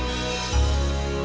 udah jangan ngambil aku ya